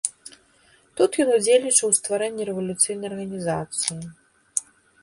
Тут ён удзельнічаў у стварэнні рэвалюцыйнай арганізацыі.